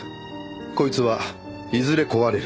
こいつはいずれ壊れる。